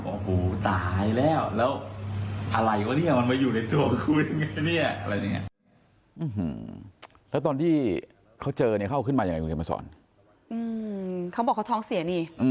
โอ้โฮตายแล้วแล้วอะไรกัอเนี่ยมันมาอยู่ในตัวกูนะเนี่ย